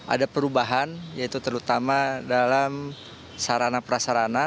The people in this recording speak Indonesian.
ada perubahan yaitu terutama dalam sarana prasarana